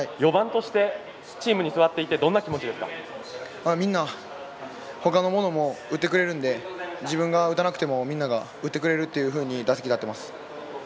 ４番としてチームに座っていてみんなほかのものも打ってくれるんで自分が打たなくても、みんなが打ってくれるというふうに打席に立ってます。